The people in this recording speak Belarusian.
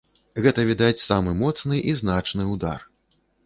Гэта, відаць, самы моцны і значны ўдар.